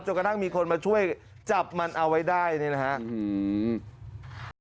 กระทั่งมีคนมาช่วยจับมันเอาไว้ได้นี่นะครับ